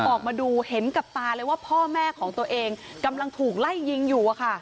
ออกมาดูเห็นกับตาเลยว่าพ่อแม่ของตัวเองกำลังถูกไล่ยิงอยู่อะค่ะ